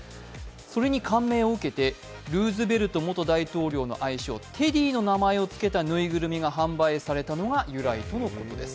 それに感銘を受けてルーズベルト元大統領の愛称、テディの名前をつけた縫いぐるみが販売されたのが由来ということです。